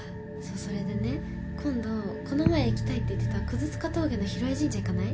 それでね今度この前行きたいって言ってた葛塚峠の広江神社行かない？